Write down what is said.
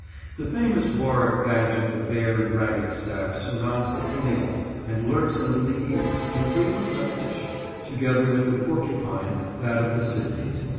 The famous Warwick badge of the Bear and Ragged Staff surmounts the finials and lurks under the eaves, in frequent repetition, together with the Porcupine, that of the Sidneys.